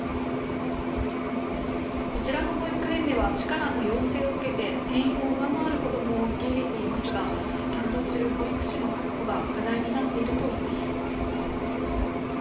こちらの保育園では市からの要請を受けて定員を上回る子どもを受け入れていますが担当する保育士の確保が課題になっていると言います。